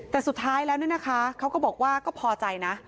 แต่สุดท้ายแล้วเนี่ยนะคะเขาก็บอกว่าก็พอใจนะ